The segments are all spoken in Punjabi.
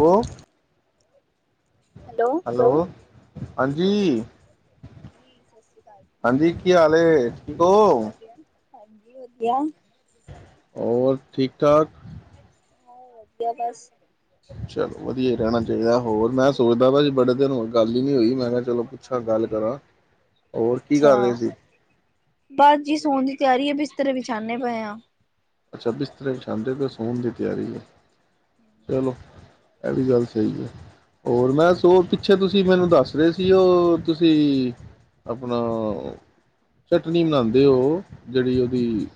ਹੋ ਹੈਲੋ। ਹਾਂਜੀ, ਸਤਿ ਸ਼੍ਰੀ ਅਕਾਲ ਹਾਂਜੀ ਕੀ ਹਾਲ ਏ ਠੀਕ ਜੀ ਹੋ? ਵਧੀਆ ਹਾਂਜੀ ਵਧੀਆ। ਹੋਰ ਠੀ ਠਾਕ ਹਾਂ ਵਧੀਆ ਬਸ। ਚਲੋ। ਵਧੀਆ ਰਹਿਣਾ ਚਾਹੀਦਾ ਹੋਰ ਮੈਂ ਸੋਚਦਾ ਪਿਆ ਸੀ ਬੜੇ ਦਿਨ ਹੋ ਗੱਲ ਹੀ ਨੀ ਹੋਈ ਮੈਂ ਕਿਹਾ ਚਲੋ ਪੁੱਛਾਂ ਗੱਲ ਕਰਾਂ ਹੋਰ ਕੀ ਅੱਛਾ ਕਰ ਰਹੇ ਸੀ। ਬਸ ਜੀ ਸੋਣ ਦੀ ਤਿਆਰੀ ਏ ਬਿਸਤਰੇ ਵਿਛਾਣੇ ਪਏ ਆਂ। ਅੱਛਾ ਬਿਸਤਰੇ ਵਿਛਾਦੇ ਪਏ ਸੋਣ ਦੀ ਤਿਆਰੀ ਹੈ, ਚਲੋ ਇਹੀ ਵੀ ਗੱਲ ਸਹੀ ਹੈ ਹੋਰ ਮੈਂ ਸੋ ਪਿੱਛੇ ਤੁਸੀਂ ਮੈਨੂੰ ਦੱਸ ਰਹੇ ਸੀ ਉਹ ਤੁਸੀਂ ਆਪਣਾ ਚਟਨੀ ਬਣਾਉਂਦੇ ਹੋ ਜਿਹੜੀ ਉਹਦੀ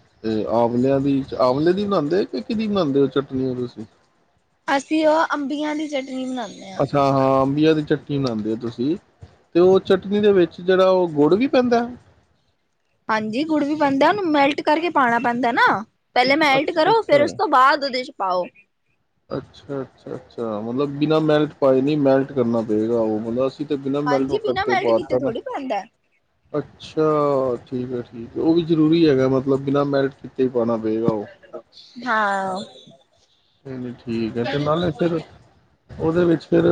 ਆਵਲਿਆਂ ਦੀ। ਆਵਲੇ ਦੀ ਬਣਾਉਂਦੇ ਕਿ ਕਿਹਦੀ ਬਣਾਉਂਦੇ ਹੋ ਚਟਨੀ ਤੁਸੀਂ। ਅਸੀਂ ਉਹ ਅੰਬੀਆਂ ਦੀ ਚ ਅੱਛਾ ਹਾਂ ਅੰਬੀਆਂ ਦੀ ਚੱ ਕੀ ਬਨਣਾਦੇ ਹੋ ਤੁਸੀਂ। ਅਤੇ ਉਹ ਚਟਨੀ ਦੇ ਵਿੱਚ ਜਿਹੜਾ ਉਹ ਗੁੜ ਵੀ ਪੈਂਦਾ। ਹਾਂਜੀ ਗੁੜ ਵੀ ਬਣਦਾ ਉਹਨੂੰ ਮੈਲਟ ਕਰਕੇ ਪਾਉਣਾ ਪੈਂਦਾ ਨਾ। ਪਹਿਲੇ ਮੈਲਟ ਅੱਛਾ ਕਰੋ ਫੇਿਰ ਅੱਛਾ ਉਸ ਤੋਂ ਬਾਅਦ ਉਹਦੇ ਚ ਪਾਓ। ਅੱਛਾ ਅੱਛਾ ਅੱਛਾ ਮਤਲਬ ਬਿਨਾਂ ਮੈਲਟ ਪਾਏ ਨਹੀਂ ਮੈਲਟ ਕਰਨਾ ਪਏਗਾ ਉਹ ਮ ਬਿਨਾਂ ਮੈਲਟ ਹਾਂਜੀ ਬਿਨਾਂ ਕਰਕੇ ਮੈਲਟ ਕੀਤੇ ਪਾਤਾ ਨਾ ਥੋੜ੍ਹੀ ਪੈਂਦਾ ਅੱਛਾ ਠੀਕ ਹੈ। ਉਹ ਵੀ ਜਰੂਰੀ ਹੈਗਾ ਮਤਲਬ ਬਿਨਾਂ ਮੈਲਟ ਕੀਤੇ। ਪਾਉਣਾ ਪਏਗਾ ਹਾਂ। ਚ ਠੀਕ ਹੈ ਤੇ ਨਾਲੇ ਫਿਰ ਉਹਦੇ ਵਿੱਚ ਫਿਰ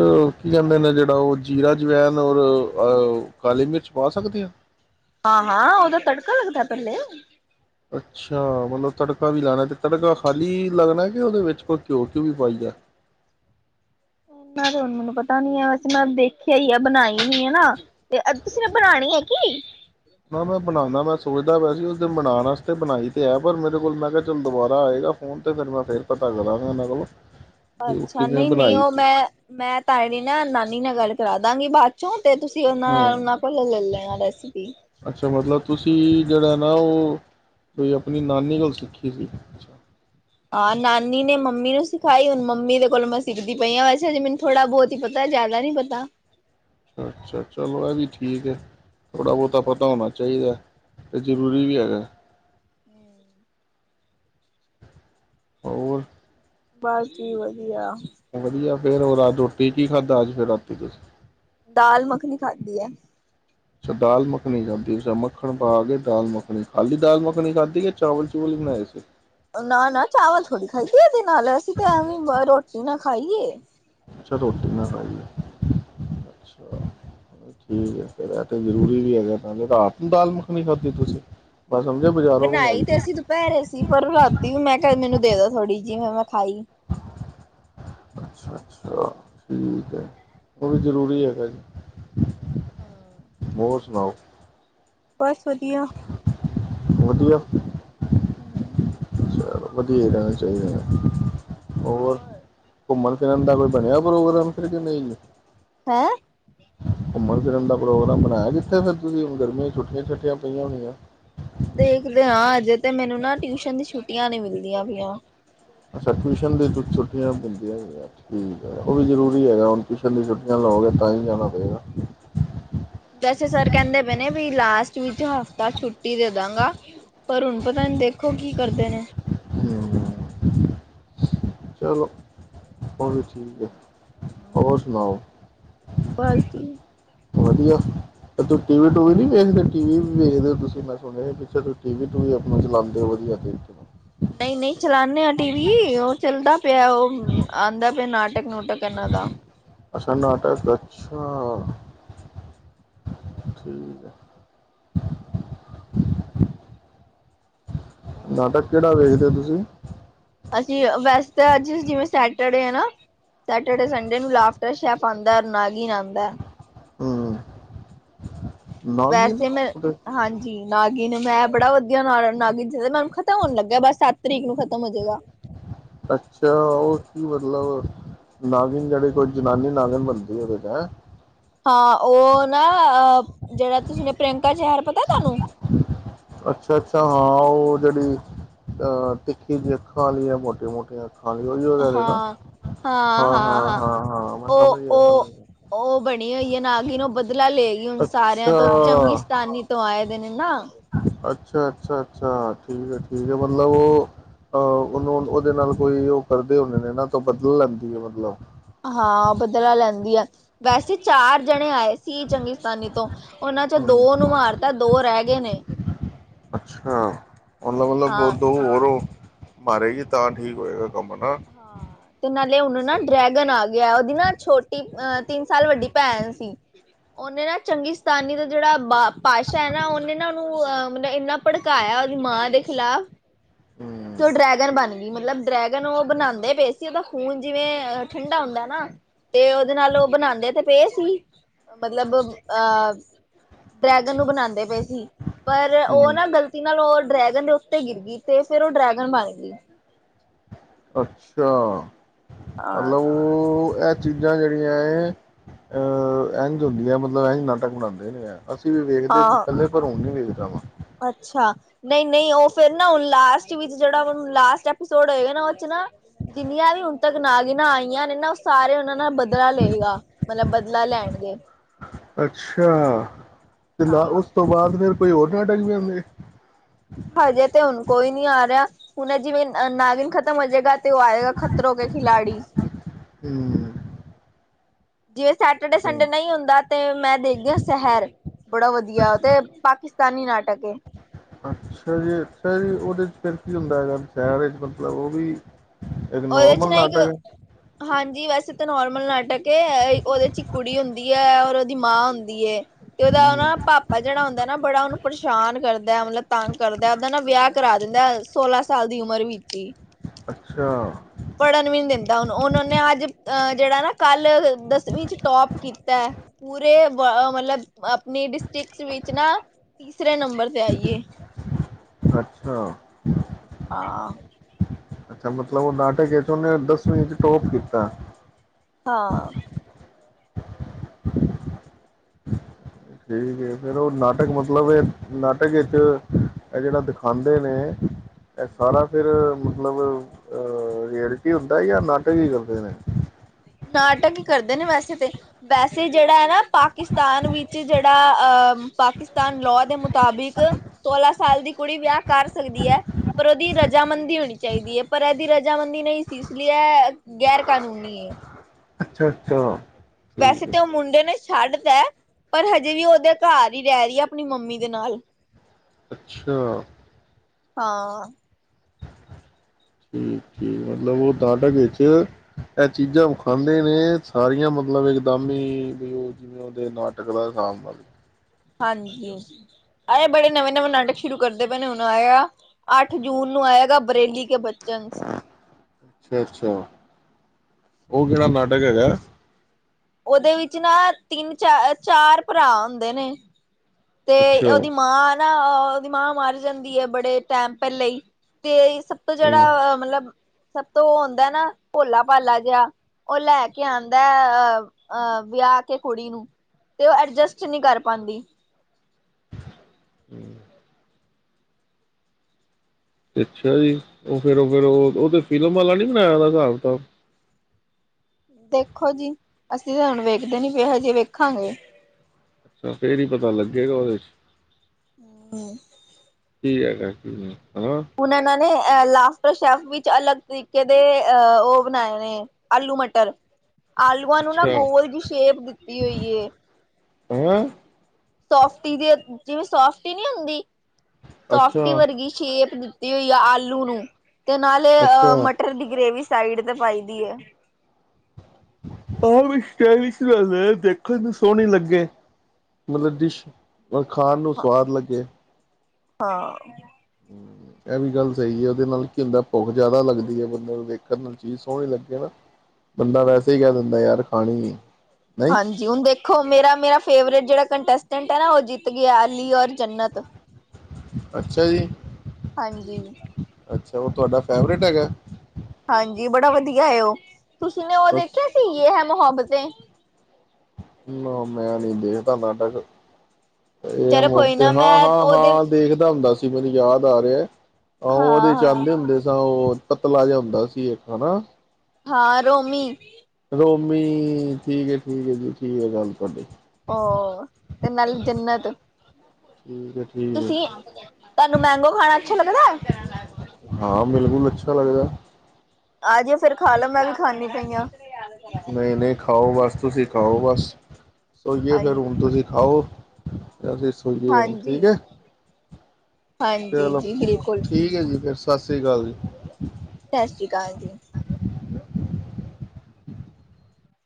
ਕੀ ਕਹਿੰਦੇ ਨਾ ਜਿਹੜਾ ਉਹ ਜੀਰਾ, ਜਵੈਨ ਔਰ ਅਹ ਕਾਲੀ ਮਿਰਚ ਪਾ ਸਕਦੇ ਹਾਂ। ਹਾਂ, ਹਾਂ ਉਹਦਾ ਤੜਕਾ ਲੱਗਦਾ ਪਹਿਲੇ। ਅੱਛਾ ਮਤਲਬ ਤੜਕਾ ਵੀ ਲੈਣਾ ਤੇ ਤੜਕਾ ਖਾਲੀ ਲੱਗਣਾ ਕਿ ਉਹਦੇ ਵਿੱਚ ਕੋਈ ਘਿਓ-ਘਿਊ ਵੀ ਪਾਈ ਦ। ਨਾ ਤੇ ਹੁਣ ਮੈਨੂੰ ਪਤਾ ਨੀ ਹੈ ਵੈਸੇ ਮੈਂ ਦੇਖਿਆ ਹੀ ਆ ਬਣਾਈ ਹੀ ਹੈ ਨਾ। ਤੇ ਤੁਸੀਂ ਏ ਬਣਾਨੀ ਹੈ ਕੀ? ਬਣਾਉਦਾ ਮੈਂ ਸੋਚਦਾ ਪਿਆ ਸੀ ਉਸ ਦਿਨ ਬਣਾਉਣ ਆਸਰੇ ਬਣਾਈ ਤੇ ਹੈ ਪਰ ਮੇਰੇ ਕੋਲ ਮੈਂ ਕਿਹਾ ਚਲ ਦੁਬਾਰਾ ਆਏਗਾ ਫੋਨ ਤੇ ਫਿਰ ਮੈਂ ਫੇਰ ਪਤਾ ਕਰਾਂਗਾ ਇਹਨਾਂ ਕੋਲੋ। ਅੱਛਾ ਨਹੀਂ ਨਹੀਂ ਉਹ ਮੈਂ ਮੈਂ ਤਾਏ ਦੀ ਨਾ ਨਾਨੀ ਨਾਲ ਗੱਲ ਕਰਾਦਾਂਗੀ ਬਾਦ ਚੋਂ ਤੇ ਤੁਸੀਂ ਹਾਂ ਉਹਨਾਂ-ਉਹਨਾਂ ਕੋਲ ਲੈ ਲੈਣਾ ਰੈਸਪੀ ਅੱਛਾ ਮਤਲਬ ਤੁਸੀਂ ਜਿਹੜਾ ਨਾ ਉਹ ਬਈ ਆਪਣੀ ਨਾਨੀ ਕੋਲ ਸਿੱਖੀ ਸੀ। ਹਾਂ ਨਾਨੀ ਨੇ ਮੰਮੀ ਨੂੰ ਸਿਖਾਈ ਹੁਣ ਮੰਮੀ ਦੇ ਕੋਲੋਂ ਮੈਂ ਸਿੱਖਦੀ ਪਈ ਹਾਂ। ਵੈਸੇ ਅਜੇ ਮੈਨੂੰ ਥੋੜਾ ਬਹੁਤ ਹੀ ਪਤਾ ਜ਼ਿਆਦਾ ਨੀ ਪਤਾ ਅੱਛਾ ਚਲੋ ਇਹ ਵੀ ਠੀਕ ਹੈ। ਥੋੜ੍ਹਾ ਬਹੁਤਾ ਪਤਾ ਹੋਣਾ ਚਾਹੀਦਾ ਤੇ ਜ਼ਰੂਰੀ ਵੀ ਹੈਗਾ। ਹੋਰ ਬਸ ਜੀ ਵਧੀਆ ਵਧੀਆ ਫੇਰ ਉਹ ਰੋਟੀ ਕੀ ਖਾਧਾ ਅੱਜ ਫੇਰ ਰਾਤੀ ਤੁਸੀਂ ਦਾਲ-ਮੱਖਣੀ ਖਾਧੀ ਹੈ। ਅੱਛਾ ਦਾਲ ਮਖਣੀ ਖਾਦੀ, ਅੱਛਾ ਮੱਖਣ ਪਾ ਕੇ ਦਾਲ ਮੱਖਣੀ, ਖਾਲੀ ਦਾਲ ਮੱਖਣੀ ਖਾਦੀ ਯਾ ਚਾਵਲ ਚੂਵਲ ਵੀ ਬਣਾਏ ਸੀ। ਨਾ ਨਾ ਚਾਵਲ ਥੋੜ੍ਹੀ ਖਾਈ ਇਹਦੇ ਨਾਲ, ਅਸੀਂ ਤੇ ਐਵੇਂ ਰੋਟੀ ਨਾ ਖਾਈਏ। ਅੱਛਾ ਰੋਟੀ ਮ ਖਾਈਏ [inaudible] ਠੀਕ ਹੈ ਫਿਰ ਇਹ ਤੇ ਜ਼ਰੂਰੀ ਵੀ ਹੈਗਾ ਰਾਤ ਨੂੰ ਦਾਲ-ਮੱਖਣੀ ਖਾਧੀ ਤੁਸੀ ਬਣਾਈ ਤੇ ਅਸੀਂ ਦੁਪਹਿਰੇ ਸੀ ਪਰ ਰਾਤੀ ਵੀ ਮੈਂ ਕਿਹਾ ਮੈਨੂੰ ਦੇਦੋ ਥੋੜ੍ਹੀ ਜਿਹੀ ਮੈਂ ਖਾਈ ਅੱਛਾ-ਅੱਛਾ ਠੀਕ ਹੈ, ਉਹ ਵੀ ਜਰੂਰੀ ਹੈਗਾ ਜੀ। ਹੋਰ ਸੁਣਾਓ ਬਸ ਵਧੀਆ ਵਦੀਆ। ਹਮ। ਵਧੀਆ ਹੀ ਰਹਿਣਾ ਚਾਹੀਦਾ। ਹੋਰ ਘੁੰਮਣ ਦਿਨ ਦਾ ਕੋਈ ਬਣਿਆ ਪ੍ਰੋਗਰਾਮ ਫਿਰ ਕਿ ਨਹੀਂ ਹੈਂ ਘੁੰਮਣ-ਫਿਰਨ ਦਾ ਪ੍ਰੋਗਰਾਮ ਬਣਾਇਆ ਕਿੱਥੇ ਫ਼ੇਰ ਤੁਸੀਂ ਹੁੰਣ ਗਰਮੀਆਂ ਛੁਟੀਆਂ ਛੱਟੀਆਂ ਪਈਆ ਹੋਣੀਆ ਦੇਖਦੇ ਹਾਂ ਅਜੇ ਤੇ ਮੈਨੂੰ ਨਾ ਟਿਊਸ਼ਨ ਦੀ ਛੁੱਟੀਆਂ ਨੀ ਮਿਲਦੀਆਂ ਪਈਆਂ। ਅੱਛਾ ਟਿਊਸ਼ਨ ਦੀ ਛੁੱਟੀਆ ਮਿਲਦੀਆਂ ਨੀ ਪਈਆ। ਠੀਕ ਹੈ। ਉਹ ਵੀ ਜ਼ਰੂਰੀ ਹੈਗਾ, ਹੁਣ ਟਿਊਸ਼ਨ ਦੀ ਛੁੱਟੀਆਂ ਲਓਗੇ ਤਾਂ ਹੀ ਜਾਣਾ ਪਏਗਾ। ਵੈਸੇ ਸਰ ਕਹਿੰਦੇ ਪਏ ਨੇ ਵੀ ਲਾਸਟ ਵਿੱਚ ਹਫ਼ਤਾ ਛੁੱਟੀ ਦੇਦਾਂਗਾ। ਪਰ ਹੁਣ ਪਤਾ ਦੇਖੋ ਕਿ ਕਰਦੇ ਨੇ [inaudible] ਚਲੋ ਉਹ ਵੀ ਠੀਕ ਹੈ ਹੋਰ ਸੁਣਾਓ ਬਸ ਜੀ ਵਧੀਆ ਤੂੰ ਟੀ ਵੀ ਟੂਵੀ ਨੀ ਦੇਖਦੇ ਟੀ ਵੀ ਵੇਖਦੇ ਹੋ ਤੁਸੀਂ? ਮੈਂ ਸੁਣਿਆ ਪਿੱਛੇ ਤੁ ਟੀ ਵੀ ਟੂ ਵੀ ਆਪਨਾ ਚਲਾਉਂਦੇ ਹੋ ਵਧੀਆ ਏ ਤੇ। ਨਹੀਂ ਨਹੀਂ ਚਲਾਣੇ ਆ ਟੀ ਵੀ ਉਹ ਚੱਲਦਾ ਪਿਆ ਉਹ ਆਉਂਦਾ ਪਿਆ ਨਾਟਕ। [unintelligible] ਅੱਛਾ ਨਾਟਕ ਅੱਛਾ ਠੀਕ ਹੈ। ਨਾਟਕ ਕਿਹੜਾ ਵੇਖਦੇ ਉ ਤੂੰਸ ਜੀ। ਅਸੀਂ ਵੈਸ ਤਾਂ ਅੱਜ ਜਿਵੇਂ ਸੈਟਰਡੇ ਆ ਨਾ ਸੈਟਰਡੇ ਸੰਡੇ ਨੂੰ ਲਾਫਟਰ ਸ਼ੈਫ਼ ਆਂਦਾ ਨਾਗਿਨ ਆਂਦਾ। ਹਮ। ਵੈਸੇ ਮੈਂ ਹਾਂਜੀ ਨਾਗਿਨ ਮੈਂ ਬੜਾ ਵਧੀਆ ਨਾ ਨਾਗਿਨ [unintelligible] ਖ਼ਤਮ ਹੋਣ ਲੱਗਾ ਬਸ ਸੱਤ ਤਰੀਕ ਨੂੰ ਖਤਮ ਹੋਜਾਏਗਾ। ਅੱਛਾ ਉਹ ਕੀ ਮਤਲਬ ਨਾਗਿਨ ਜਿਹੜੇ ਕੋਈ ਜਨਾਨੀ ਨਾਗਿਨ ਬਣਦੀ ਉਹਦੇ ਵਿੱਚ ਹੈ? ਹਾਂ ਉਹ ਨਾ ਅ ਜਿਹੜਾ ਤੁਸੀਂ ਨੇ ਪ੍ਰਿਯੰਕਾ ਚੇਹਰ ਪਤਾ ਤੁਹਾਨੂੰ? ਅੱਛਾ ਅੱਛਾ ਹਾਂ ਉਹ ਜਿਹੜੀ ਅਹ ਤਿੱਖੀ ਜੀ ਅੱਖਾਂ ਵਾਲੀ ਹੈ ਮੋਟੀਆਂ ਮੋਟੀਆਂ। ਅੱਖਾਂ ਵਾਲੀ ਉਹੀ ਉਹ ਕਹਿ ਰਹੇ ਨਾ ਹਾਂ ਹਾਂ ਹਾਂ ਹਾਂ ਮੈਂ ਸਮਝ ਉਹ ਗਿਆ ਸਮਝ ਉਹ ਗਿਆ ਉਹ ਬਣੀ ਹੋਈ ਹੈ ਨਾਗਿਣ ਓਹ ਬਦਲਾ ਲਏਗੀਈ ਹੁਣ ਸਾਰਿਆਂ ਤੋਂ ਚੰਗੀ ਅੱਛਾ ਸਤਾਨੀ ਤੋਂ ਆਏ [unintelligible] ਨਾ। ਅੱਛਾ ਅੱਛਾ ਅੱਛਾ ਠੀਕ ਹੈ ਠੀਕ ਹੈ ਮਤਲਬ ਉਹ ਅਹ ਉਹਨੂੰ ਉਹਦੇ ਨਾਲ ਕੋਈ ਉਹ ਕਰਦੇ ਹੁੰਦੇ ਨੇ ਤਾਂ ਬਦਲੇ ਲੈਂਦੀ ਹੈ ਮਤਲਬ। ਹਾਂ ਬਦਲਾ ਲੈਂਦੀ ਆ ਵੈਸੇ ਚਾਰ ਜਣੇ ਆਏ ਸੀ ਚੰਗਿਸਤਾਨੀ ਤੋਂ ਉਹਨਾਂ ਚ ਹੂੰ ਦੋ ਨੂੰ ਮਾਰਤਾ ਦੋ ਰਹਿ ਗਏ ਨੇ। ਅੱਛਾ। ਮਤਲਬ ਹਾਂ ਮਤਲਬ ਦੋ ਹੋਰ ਉ। ਮਾਰੇਗੀ ਤਾਂ ਠੀਕ ਹੋਏਗਾ। ਕੰਮ ਨਾ ਹਾਂ ਤੇ ਨਾਲੇ। ਉਹਨੂੰ ਨਾ ਡਰੈਗਨ ਆ ਗਿਆ ਉਹਦੀ ਨਾ ਛੋਟੀ ਅਹ ਤਿੰਨ ਸਾਲ ਵੱਡੀ ਭੈਣ ਸੀ ਉਹਨੇ ਨਾ ਚੰਗੀਿਸਤਾਨੀ ਦਾ ਜਿਹੜਾ ਬਾਪ ਪਾਤਸ਼ਾਹ ਹੈ ਨਾ ਉਹਨੇ ਨਾ। [unintelligible] ਇੰਨਾ ਭੜਕਾਇਆ ਉਹਦੀ ਮਾਂ ਦੇ ਖਿਲਾਫ਼। ਹੂੰ ਤੇ ਉਹ ਡਰੈਗਨ ਬਣ ਗਈ ਮਤਲਬ ਡਰੈਗਨ ਉਹ ਬਣਾਉਂਦੇ ਪਏ ਸੀ ਉਹਦਾ ਖੂਨ ਜਿਵੇਂ ਠੰਡਾ ਹੁੰਦਾ ਨਾ। ਤੇ ਉਹਦੇ ਨਾਲ ਉਹ ਬਣਾਉਂਦੇ ਤੇ। ਫੇ ਸੀ। ਮਤਲਬ ਅਹ। ਡਰੈਗਨ ਨੂੰ ਬਣਾਨ ਦੇ ਪਏ ਸੀ ਪਰ ਉਹ ਹੂੰ ਨਾ ਗਲਤੀ ਨਾਲ ਉਹ ਡਰੈ ਦੇ ਉੱਤੇ ਗਿਰ ਗਈ ਤੇ। ਫਿਰ ਉਹ ਡਰੈਗਨ ਬਣ ਗਈ। ਅੱਛਾ। ਮਤਲਬ ਹਾਂ ਉਹ ਇਹ ਚੀਜ਼ਾਂ ਜਿਹੜੀਆਂ ਏ, ਅ--ਇੰਝ ਹੁੰਦੀਆਂ ਮਤਲਬ ਇੰਝ ਨਾਟਕ ਬਣਾਉਂਦੇ ਨੇ ਐ। ਅਸੀਂ ਵੀ ਵੇਖਦੇ ਸੀ ਹਾਂ ਪਹਿਲੇ ਪਰ ਹਣ ਨੀ ਵੇਖਦੇ। ਰਮਾਂ। ਅੱਛਾ ਨਹੀਂ ਨਹੀਂ ਉਹ ਫੇਰ ਨਾ ਹੁਣ ਲਾਸਟ ਵਿੱਚ ਜਿਹੜਾ ਹੁਣ ਲਾਸਟ ਐਪੀਸੋਡ ਹੋਏਗਾ ਨਾ ਉਰ ਚ ਨਾ ਜਿੰਨੀਆਂ ਵੀ ਹੁਣ ਤੱਕ ਨਾਗਿਨਾਂ ਆਈਆਂ ਨੇ ਨਾ ਉਹ ਸਾਰੇ ਉਨਾ ਨਾ ਬਦਲਾ ਲਏਗਾ ਮਤਲਬ ਬਦਲਾ ਲੈਣਗੇ। ਅੱਛਾ। ਤੇ ਲ ਹਾਂ ਉਸ ਤੋਂ ਬਾਅਦ ਫਿਰ ਕੋਈ ਹੋਰ ਨਾਟਕ ਵੀ ਹਉਦੇ। ਹਜੇ ਤੇ ਹੁਣ ਕੋਈ ਨਹੀਂ ਆ ਰਿਹਾ ਹੁਣ ਜਿਵੇਂ ਨਾਗਿਨ ਖਤਮ ਹੋ ਜਾਏਗਾ। ਤੇ ਉਹ ਆਏਗਾ ਖ਼ਤਰੋਂ ਕੇ ਖਿਲਾੜੀ। ਹਮ। ਜੇ ਸੈਟਰਡੇ ਸੰਡੇ ਨਹੀਂ ਹੁੰਦਾ ਤੇ ਮੈਂ ਦੇਖ ਦੀਆ ਸ਼ਹਿਰ ਬੜਾ ਵਧੀਆ ਤੇ ਪਾਕਿਸਤਾਨੀ ਨਾਟਕ ਏ। ਅੱਛਾ ਜੀ ਅੱਛਾ ਜੀ ਉਹਦੇ 'ਚ ਫਿਰ ਕੀ ਹੁੰਦਾ ਹੈਗਾ ਸ਼ਹਿਰ ਵਿੱਚ ਮਤਲਬ ਉਹ ਵੀ ਇੱਕ ਉਹਦੇ ਚ ਨੋਰਮਲ ਨਾ ਇੱਕ ਨਾਟਕ ਹੈ ਹਾਂਜੀ ਵੈਸੇ ਨੋਰਮਲ ਨਾਟਕ ਕਿ ਉਹਦੇ ਚ ਇੱਕ ਕੁੜੀ ਹੁੰਦੀ ਹੈ ਔਰ ਦੀ ਮਾਂ ਹੁੰਦੀ ਏ। ਤੇ ਉਹਦਾ ਹੂੰ ਨਾ ਪਾਪਾ ਜਿਹੜਾ ਹੁੰਦਾ ਨਾ ਬੜਾ ਉਹਨੂੰ ਪਰੇਸ਼ਾਨ ਕਰਦਾ ਮਤਲਬ ਤੰਗ ਕਰਦਾ ਉਹਦਾ ਨਾ ਵਿਆਹ ਕਰਾ ਰਹਿੰਦਾ ਸੋਲਾਂ ਸਾਲ ਦੀ ਉਮਰ ਵਿੱਚ ਹੀ। ਅੱਛਾ। [unintelligible] ਦਸਵੀਂ ਚ ਟੋਪ ਕੀਤਾ ਹੈ ਪੂਰੇ [unintelligible] ਆਪਣੀ ਡਿਸਟ੍ਰਿਕਸ ਵਿਚ ਨਾ ਤੀਸਰੇ ਨੰਬਰ ਤੇ ਆਈਏ। [inaudible] ਆਹ ਅੱਛਾ ਮਤਲਬ ਉਹ ਨਾਟਕ ਚ ਉਹਨੇ ਦਸਵੀਂ ਚ ਟੋਪ ਕੀਤਾ। ਹਾਂ। [inaudible] ਠੀਕ ਹੈ ਫਿਰ ਉਹ ਨਾਟਕ ਮਤਲਬ ਇਹ ਨਾਟਕ ਵਿੱਚ ਇਹ ਜਿਹੜਾ ਦਿਖਾਂਉਦੇ ਨੇ ਇਹ ਸਾਰਾ ਫਿਰ ਮਤਲਬ ਰਿਆਲਟੀ ਹੁੰਦਾ ਜਾਂ ਨਾਟਕ ਹੀ ਕਰਦੇ ਨੇ। ਨਾਟਕ ਹੀ ਕਰਦੇ ਨੇ ਵੈਸੇ ਤੇ ਵੈਸੇ ਜਿਹੜਾ ਹੈ ਨਾ ਪਾਕਿਸਤਾਨ ਵਿੱਚ ਜਿਹੜਾ ਪਾਕਿਸਤਾਨ ਦੇ ਲਾਅ ਮੁਤਾਬਿਕ ਸੋਲਾਂ ਸਾਲ ਦੀ ਕੁੜੀ ਵਿਆਹ ਕਰ ਸਕਦੀ ਹੈ ਪਰ ਉਹਦੀ ਰਜਾਮੰਦੀ ਹੋਣੀ ਚਾਹੀਦੀ ਹੈ ਪਰ ਇਹਦੀ ਰਜਾਮੰਦੀ ਨਹੀਂ ਸੀ ਇਸ ਲਈ ਇਹ ਗੈਰ ਕਾਨੂੰਨੀ ਏ। ਅੱਛਾ ਅੱਛਾ। ਵੈਸੇ ਠੀਕ ਤੇ ਹੈ ਉਹ ਮੁੰਡੇ ਨੇ ਛੱਡ ਤਾ ਪਰ ਹਜੇ ਵੀ ਉਹਦੇ ਘਰ ਹੀ ਰਹਿ ਰਹੀ ਹੈ ਆਪਣੀ ਮੰਮੀ ਦੇ ਨਾਲ। ਅੱਛਾ। ਹਾਂ। ਠੀਕ ਜੀ, ਮਤਲਬ ਉਹ ਨਾਟਕ ਵਿੱਚ ਇਹ ਚੀਜ਼ਾਂ ਵਖਾਂਦੇ ਨੇ ਸਾਰੀਆਂ ਮਤਲਬ ਇਕਦਮ ਹੀ ਉਹ ਬਈ ਜਿਵੇਂ ਉਹਦੇ ਨਾਟਕ ਦਾ ਹਿਸਾਬ ਨਾਲ। ਹਾਂਜੀ ਐ ਬੜੇ ਨਵੇਂ-ਨਵੇਂ ਨਾਟਕ ਸ਼ੁਰੂ ਕਰਦੇ ਪਏ ਨੇ ਹੁਣ ਆਇਆ, ਅੱਠ ਜੂਨ ਨੂੰ ਆਏਗਾ ਬਰੇਲੀ ਕੇ ਬ ਅੱਛਾ ਅੱਛਾ। ਉਹ ਕਿਹੜਾ ਨਾਟਕ ਹੈਗਾ? ਉਹਦੇ ਵਿੱਚ ਨਾ ਤਿੰਨ ਚ ਚਾਰ ਭਰਾ ਹੁੰਦੇ ਨੇ ਤੇ ਅੱਛਾ ਉਹਦੀ ਮਾਂ ਨਾ ਓਹਦੀ ਮਰ ਜਾਂਦੀ ਹੈ ਬੜੇ ਟੈਮ ਪਹਿਲੇ ਹੀ ਤੇ ਸਭ ਤੋਂ ਹੂੰ ਜਿਹੜਾ ਮਤਲਬ ਸਭ ਤੋਂ ਉਹ ਆਉਂਦਾ ਨਾ ਭੋਲਾ ਭਾਲਾ ਜਿਹਾ ਉਹ ਲੈ ਕੇ ਆਉਂਦਾ ਅਹ ਅਹ ਵਿਆਹ ਕੇ ਕੁੜੀ ਨੂੰ ਤੇ ਉਹ ਐਡਜਸਟ ਨਹੀਂ ਕਰ ਪਾਂਦੀ ਹਮ। ਅੱਛਾ ਜੀ ਉਹ ਫੇਰ ਉਹ ਫੇਰ ਉਹ ਉਹ ਤੇ ਫ਼ਿਲਮ ਵਾਲਾ ਨੀ ਬਨਾਇਆ ਦਾ ਹਿਸਾਬਤਾਬ ਦੇਖੋ ਜੀ, ਅਸੀਂ ਤਾਂ ਹੁਣ ਵੇਖਦੇ ਨੀ ਵੀ ਹਜੇ ਵੇਖਾਂਗੇ। ਅੱਛਾ ਫੇਰ ਹੀ ਪਤਾ ਲੱਗੇਗਾ ਉਹਦੇ ਚ ਹਮ। ਕੀ ਹੈਗਾ ਕਿ ਨਹੀਂ। ਹਨਾ ਹੁਣ ਏਨਾ ਨੇ ਐ ਲਾਫਟਰ ਸ਼ੈਫ ਵਿੱਚ ਅਲੱਗ ਤਰੀਕੇ ਦੇ ਅਹ ਉਹ ਬਣਾਏ ਨੇ ਆਲੂ-ਮਟਰ। ਆਲੂਆਂ ਨੂੰ ਨਾ ਅੱਛਾ ਹੈਂ ਗੋਲ ਜੀ ਸ਼ੇਪ ਦਿੱਤੀ ਹੋਈ ਹੈ। ਹੈਂ। ਸੋਫਟੀ ਵੀ ਜਿਵੇਂ ਸੋਫਟੀ ਨੀ ਹੁੰਦੀ ਸੋਫਟੀ ਅੱਛਾ ਵਰਗੀ ਸ਼ੇਪ ਦਿੱਤੀ ਹੋਈ ਹੈ ਆਲੂ ਨੂੰ। ਤੇ ਨਾਲੇ ਅੱਛਾ ਮਟਰ ਦੀ ਗ੍ਰੇਵੀ ਸੀ। ਸਾਈਡ ਤੇ ਪਾਈ ਦੀ ਹੈ। ਉਹ ਵੀ ਇਕ ਗੱਲ ਏ ਦੇਖਣ ਨੂੰ ਸੋਹਣੀ ਲੱਗੇ ਮਤਲਬ ਡਿਸ਼ ਖਾਣ ਨੂੰ ਸਵਾਦ ਲੱਗੇ। ਹਾਂ। ਇਹ ਵੀ ਗੱਲ ਸਹੀ ਹੈ। ਉਹਦੇ ਨਾਲ ਕੀ ਹੁੰਦਾ ਭੁੱਖ ਜਿਆਦਾ ਲੱਗਦੀ ਹੈ। ਬੰਦੇ ਨੂੰ ਦੇਖਣ ਨਾਲ ਚੀਜ਼ ਸੋਹਣੀ ਲੱਗੇ ਨਾ ਬੰਦਾ ਵੈਸੇ ਹੀ ਕਹਿ ਦਿੰਦਾ ਯਾਰ ਖਾਣੀ ਏ। ਹਾਂਜੀ ਹੁਣ ਦੇਖੋ ਮੇਰਾ ਮੇਰਾ ਫੇਵਰੇਟ ਜਿਹੜਾ ਕੰਟੈਸਟੈਂਟ ਹੈ ਨਾ ਉਹ ਜਿੱਤ ਗਿਆ ਅਲੀ ਔਰ ਜੰਨਤ ਅੱਛਾ ਜੀ। ਹਾਂਜੀ ਅੱਛਾ ਉਹ ਤੁਹਾਡਾ ਫੈਵਰੇਟ ਹੈਗਾ ਹਾਂਜੀ ਬੜਾ ਵਧੀਆ ਹੈ ਉਹ ਤੁਸੀਂ ਨੇ ਉਹ ਦੇਖਿਆ ਸੀ ਯੇਹ ਹ ਮੁਹੱਬਤੇ ਨਾ ਮੈਂ ਨਹੀਂ ਦੇਖਦਾ ਨਾਟਕ ਯੇ ਹੈ ਚਲੋ ਕੋਈ ਮੋਹਬੱਤੇ ਨਾ ਹਾਂ ਮੈਂ ਹਾਂ ਉਹਦੇ ਹਾਂ ਦੇਖਦਾ ਹੁੰਦਾ ਸੀ। ਮੈਨੂੰ ਯਾਦ ਆ ਰਿਹਾ ਆਹੋ ਉਹਦੇ ਹਾਂ ਚ ਹਾਂ ਆਂਦੇ ਹੁੰਦੇ ਸ ਉਹ ਕਤਲਾ ਜਿਹਾ ਹੁੰਦਾ ਸੀ ਇੱਕ ਹਨਾ ਹਾਂ ਰੋਮੀ ਰੋਮੀ ਠੀਕ ਹੈ ਠੀਕ ਹੈ ਜੀ ਠੀਕ ਹੈ ਗੱਲ ਤੁਹਾਡੀ ਉਹ ਤੇ ਨਾਲੱਲ ਜਿੰਨਤ ਠੀਕ ਹੈ ਠੀਕ ਤੁਸੀਂ ਹੈ ਤੁਹਾਨੂੰ ਮਹਿੰਗੋ ਖਾਣਾ ਅੱਛ ਲੱਗਦਾ ਹਾਂ ਬਿਲਕੁਲ ਅੱਛਾ ਲੱਗਦਾ ਆ ਜ ਫੇਿਰ ਖਾ ਲਾ ਮੈਂ ਵੀ ਖਾਂਦੀ ਪਈ ਹਾਂ ਨਹੀਂ, ਨਹੀਂ ਖਾਓ ਬਸ ਤੁਸੀਂ ਖਾਓ ਬਸ ਸੋਈਏ ਫੇਰ ਹਾਂਜੀ, ਹੁਣ ਤੁਸੀਂ ਖਾਓ [inaudible] ਅਸੀ ਸੋਈਏ ਹੁ ਠੀਕ ਹਾਂਜੀ, ਹੈ। ਹਾਂਜੀ ਚਲੋ ਜੀ ਬਿਲਕੁਲ ਠੀਕ ਹੈ ਜੀ ਫਰ ਸਤਿ ਸ਼੍ਰੀ ਅਕਾਲ ਜੀ ਸਤਿ ਸ੍ਰੀ ਅਕਾਲ ਜੀ ਹੈਲੋ